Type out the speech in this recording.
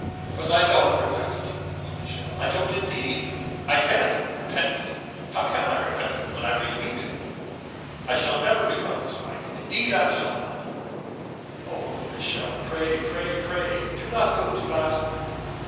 'But I don't repent it, Uncle Michel; I don't, indeed. I can't repent it. How can I repent it when I really mean it? I shall never become his wife; indeed I shall not. O, Uncle Michel, pray, pray, pray do not go to Basle!'